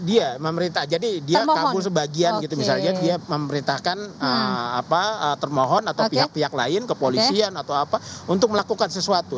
dia memerintah jadi dia kabur sebagian gitu misalnya dia memerintahkan termohon atau pihak pihak lain kepolisian atau apa untuk melakukan sesuatu